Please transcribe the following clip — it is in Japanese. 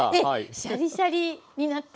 シャリシャリになってて。